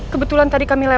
sebelum kita ketahuan mbak